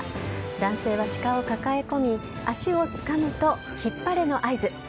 男性はシカを抱え込み、足をつかむと、引っ張れの合図。